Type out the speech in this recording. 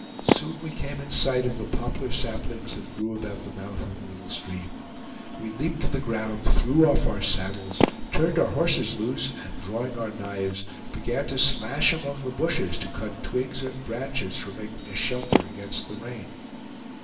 Soon we came in sight of the poplar saplings that grew about the mouth of the little stream. We leaped to the ground, threw off our saddles, turned our horses loose, and drawing our knives, began to slash among the bushes to cut twigs and branches for making a shelter against the rain.